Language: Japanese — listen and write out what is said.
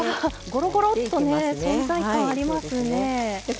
ごろごろっとね存在感ありますね。